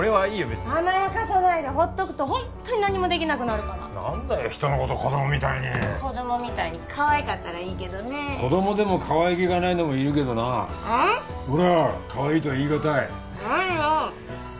べつに甘やかさないでほっとくとホントに何もできなくなるから何だよ人のこと子供みたいに子供みたいにかわいかったらいいけどね子供でもかわいげがないのもいるけどなうん？ほらかわいいとは言い難い何よ！